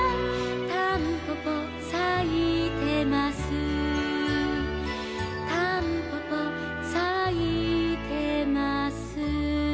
「たんぽぽさいてます」「たんぽぽさいてます」